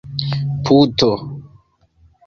puto